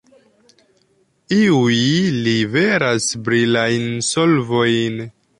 Iuj liveras brilajn solvojn.